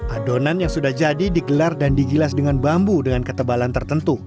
adonan yang sudah jadi digelar dan digilas dengan bambu dengan ketebalan tertentu